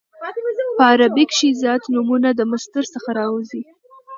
په عربي کښي زیات نومونه د مصدر څخه راوځي.